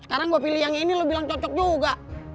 sekarang gua pilih yang ini lu bilang cocok juga